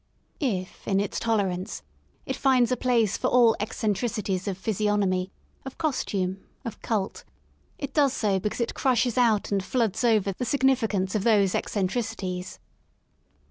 If in its tolerance it finds a place for all eccentricities of physiognomy, of costume, of cult, it does so because II THE SOUL OF LONDON it crushes out and floods over the significance of those eccentricities.